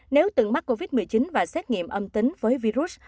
nếu từng mắc covid một mươi chín và xét nghiệm âm tính với virus